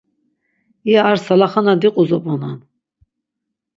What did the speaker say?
İya ar salaxana diquzop̆onan..